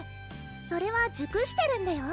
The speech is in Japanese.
それはじゅくしてるんだよ